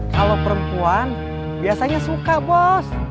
kalau perempuan biasanya suka bos